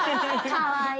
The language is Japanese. かわいい。